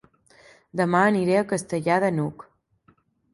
Dema aniré a Castellar de n'Hug